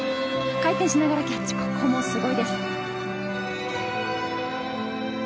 回転しながらキャッチ、ここもすごいです。